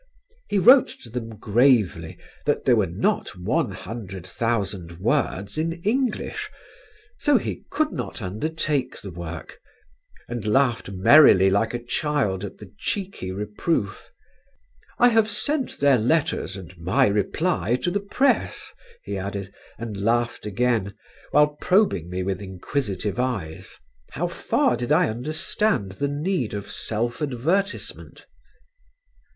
He wrote to them gravely that there were not one hundred thousand words in English, so he could not undertake the work, and laughed merrily like a child at the cheeky reproof. "I have sent their letters and my reply to the press," he added, and laughed again, while probing me with inquisitive eyes: how far did I understand the need of self advertisement?